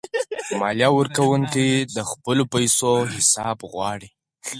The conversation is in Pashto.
مالیه ورکونکي د خپلو پیسو حساب غواړي.